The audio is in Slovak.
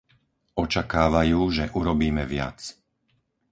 Očakávajú, že urobíme viac.